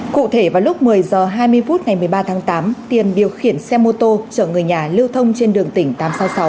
cụ thể vào lúc một mươi h hai mươi phút ngày một mươi ba tháng tám tiền điều khiển xe mô tô chở người nhà lưu thông trên đường tỉnh tám trăm sáu mươi sáu